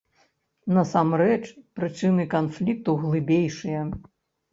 Насамрэч прычыны канфлікту глыбейшыя.